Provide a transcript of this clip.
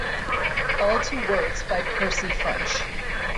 All to words by Percy French.